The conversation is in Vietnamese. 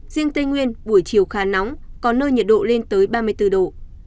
riêng tây nguyên buổi chiều khá nóng có nơi nhiệt độ lên tới ba mươi bốn độ